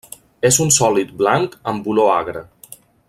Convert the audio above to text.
És un sòlid blanc amb olor agra.